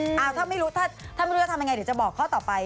หาไม่รู้ถามยังไงเดี๋ยวจะบอกข้อต่อไป